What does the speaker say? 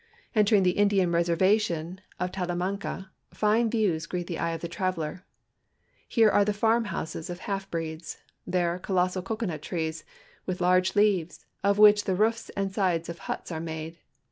Entering the Indian reservation of Talamanca, fine views greet the eye of the traveler. Here are the farm houses of half lireeds ; there, colossal cocoanut trees, with large leaves, of which the roofs and sides of huts are made.